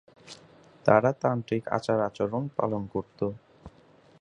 তারা তান্ত্রিক আচার আচরণ পালন করত।